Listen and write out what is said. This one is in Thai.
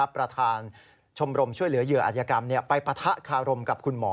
ประธานชมรมช่วยเหลือเหยื่ออาจยกรรมไปปะทะคารมกับคุณหมอ